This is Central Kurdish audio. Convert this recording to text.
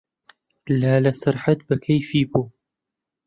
لالە سەرحەد بە کەیفی بوو.